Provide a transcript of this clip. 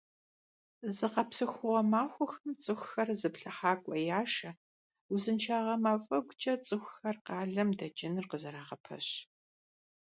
Зыгъэпсэхугъуэ махуэхэм цӀыхухэр зыплъыхьакӀуэ яшэ, узыншагъэ мафӀэгукӀэ цӀыхухэр къалэм дэкӀыныр къызэрагъэпэщ.